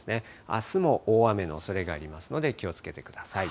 あすも大雨のおそれがありますので、気をつけてください。